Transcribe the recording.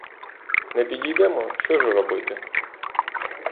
Не підійдемо — що ж робити.